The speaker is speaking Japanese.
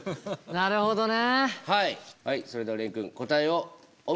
なるほどね。